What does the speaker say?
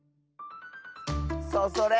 そうそれ！